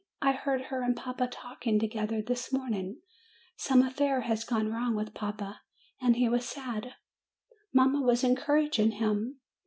I heard her and papa talking together this morning: some affair has gone wrong with papa, and he was sad; mamma was en couraging him.